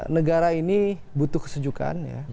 negara ini butuh kesujukan